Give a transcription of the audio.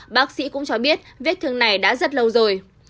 bác sĩ cũng cho biết vết thương này đã rất lâu rồi